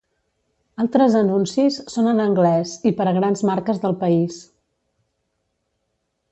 Altres anuncis són en anglès i per a grans marques del país.